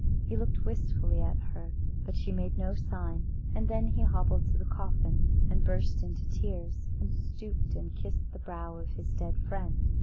He looked wistfully at her, but she made no sign, and then he hobbled to the coffin and burst into tears, and stooped and kissed the brow of his dead friend.